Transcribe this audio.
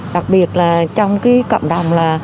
đặc biệt là trong cộng đồng